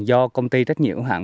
do công ty trách nhiệm hữu hạn